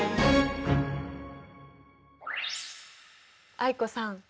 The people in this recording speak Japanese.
藍子さん。